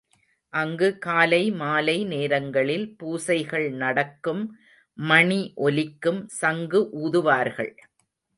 அங்கு காலை, மாலை நேரங்களில் பூசைகள் நடக்கும் மணி ஒலிக்கும் சங்கு ஊதுவார்கள்.